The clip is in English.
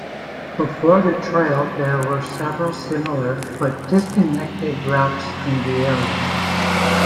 Before the trail, there were several similar but disconnected routes in the area.